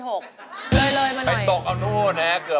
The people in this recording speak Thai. เดินเลยมาหน่อย